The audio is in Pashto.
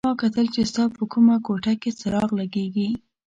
ما کتل چې ستا په کومه کوټه کې څراغ لګېږي.